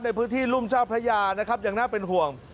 ในพื้นที่รุ่มเจ้าพระยานะครับยังน่าเป็นห่วง